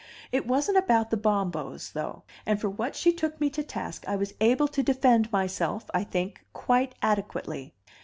It wasn't about the Bombos, though; and for what she took me to task I was able to defend myself, I think, quite adequately.